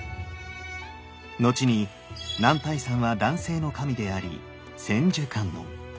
後に男体山は男性の神であり千手観音。